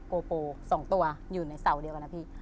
โกโป๒ตัวอยู่ในเสาเดียวกันนะพี่